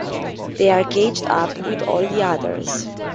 They are caged up with all the others.